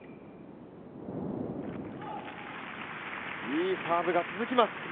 いいサーブが続きます。